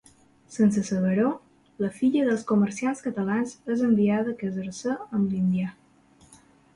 Sense saber-ho, la filla dels comerciants catalans és enviada a casar-se amb l'indià.